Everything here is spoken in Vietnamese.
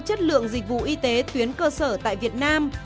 chất lượng dịch vụ y tế tuyến cơ sở tại việt nam